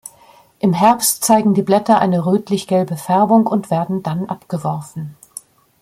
Im Herbst zeigen die Blätter eine rötlich-gelbe Färbung und werden dann abgeworfen.